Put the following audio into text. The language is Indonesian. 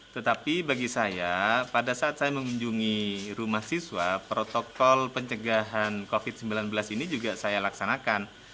tetapi bagi saya pada saat saya mengunjungi rumah siswa protokol pencegahan covid sembilan belas ini juga saya laksanakan